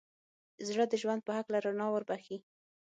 زړه د ژوند په هکله رڼا وربښي.